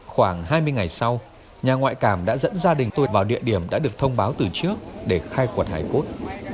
khoảng hai mươi ngày sau nhà ngoại cảm đã dẫn gia đình tôi vào địa điểm đã được thông báo từ trước để khai quật hải cốt